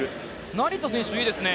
成田選手、いいですね。